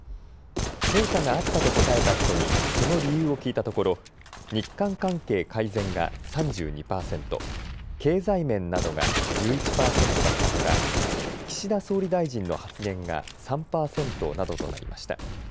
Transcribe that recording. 成果があったと答えた人にその理由を聞いたところ日韓関係改善が３２％、経済面などが１１％だったほか岸田総理大臣の発言が３％などとなりました。